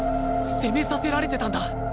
攻めさせられてたんだ！